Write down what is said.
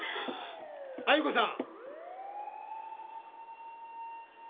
鮎子さん！